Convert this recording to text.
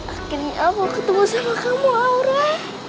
akhirnya kamu ketemu sama kamu aura